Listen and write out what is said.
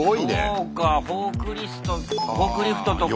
そうかフォークリフトとか。